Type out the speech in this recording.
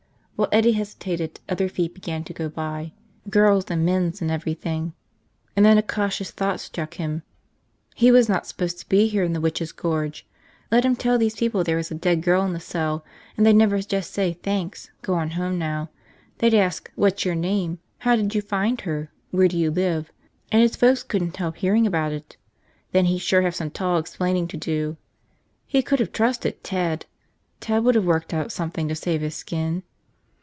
While Eddie hesitated, other feet began to go by, girls' and men's and everything. And then a cautious thought struck him. He was not supposed to be here in the Witches' Gorge. Let him tell those people there was a dead girl in the cell and they'd never just say thanks, go on home now. They'd ask what's your name, how did you find her, where do you live, and his folks couldn't help hearing about it. Then he'd sure have some tall explaining to do. He could have trusted Ted. Ted would have worked out something to save his skin.